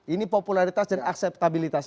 ini popularitas dan akseptabilitas